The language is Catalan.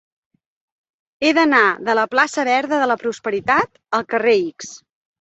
He d'anar de la plaça Verda de la Prosperitat al carrer X.